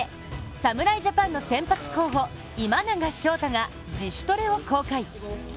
侍ジャパンの先発候補・今永昇太が自主トレを公開。